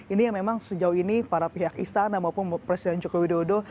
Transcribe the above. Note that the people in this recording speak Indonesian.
ini yang memang sejauh ini para pihak istana maupun presiden joko widodo